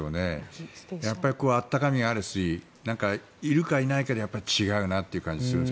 やっぱり温かみがあるしいるか、いないかで違うなという感じがするんです。